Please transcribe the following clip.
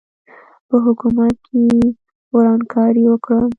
په حکومت کې ورانکاري وکړم.